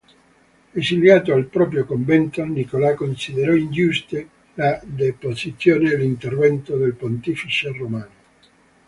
Esiliato al proprio convento, Nicola considerò ingiuste la deposizione e l'intervento del pontefice romano.